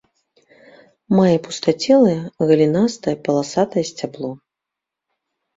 Мае пустацелае галінастае паласатае сцябло.